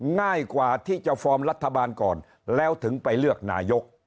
ง่ายกว่าที่จะฟอร์มรัฐบาลก่อนแล้วถึงไปเลือกนายก